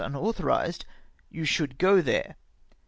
121 unautliorised, you sliould go there.